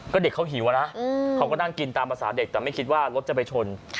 ก็เด็กเขาหิวอะนะเขาก็นั่งกินตามภาษาเด็กแต่ไม่คิดว่ารถจะไปชน